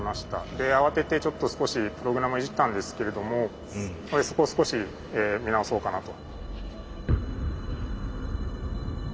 で慌てて少しプログラムをいじったんですけれどもそこを少し見直そうかなと。